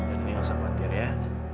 ini jangan khawatir ya